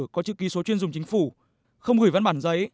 có chữ ký số chuyên dùng chính phủ không gửi văn bản giấy